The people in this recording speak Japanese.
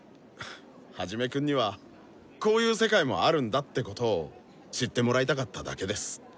ハジメくんにはこういう世界もあるんだってことを知ってもらいたかっただけです。